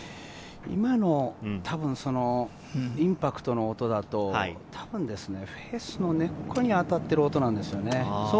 今のインパクトの音だと、たぶんフェースの根っこに当たっている音なんですよね。